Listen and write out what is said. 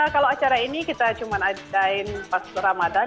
kalau acara ini kita cuma adain pas ramadhan